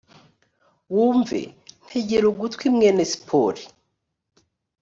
wumve ntegera ugutwi mwene sipori